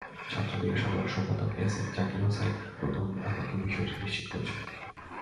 ছাত্রলীগের সাধারণ সম্পাদক এস এম জাকির হোসাইন প্রথম আলোকে বিষয়টি নিশ্চিত করেছেন।